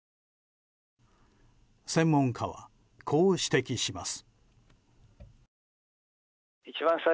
専門家はこう指摘します。